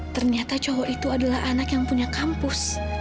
ternyata cowok itu adalah anak yang punya kampus